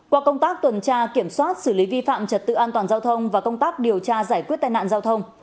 qua công tác tuần tra kiểm soát xử lý vi phạm trật tự an toàn giao thông và công tác điều tra giải quyết tai nạn giao thông